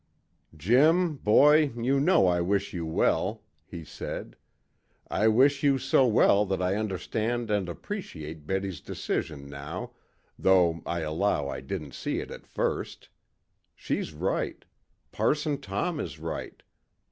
"Jim, boy, you know I wish you well," he said. "I wish you so well that I understand and appreciate Betty's decision now, though I allow I didn't see it at first. She's right. Parson Tom is right.